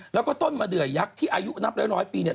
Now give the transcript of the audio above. แล้วก็ต้นมะเดือยักษ์ที่อายุนับร้อยปีเนี่ย